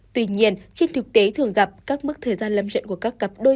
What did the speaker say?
tuy nhiên trên thực tế thường gặp các mức thời gian lâm của các cặp đôi